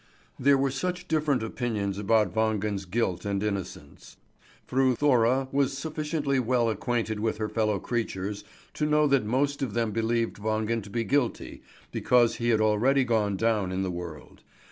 There were such different opinions about Wangen's guilt and innocence. Fru Thora was sufficiently well acquainted with her fellow creatures to know that most of them believed Wangen to be guilty because he had already gone down in the world.